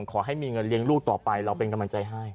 ขอให้มีเงินเลี้ยงลูกต่อไปเราเป็นกำลังใจให้